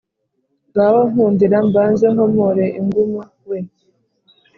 ngaho nkundira mbanze nkomore inguma we